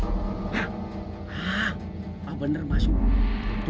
lihatlah dia sedang mengukur nama kuda